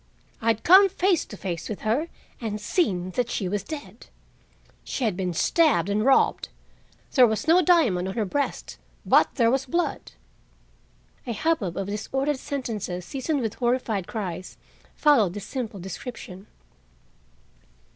I bad come face to face with her and seen that she was dead. She had been stabbed and robbed. There was no diamond on her breast, but there was blood." A hubbub of disordered sentences seasoned with horrified cries followed this simple description.